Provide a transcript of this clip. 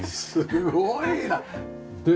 すごいな。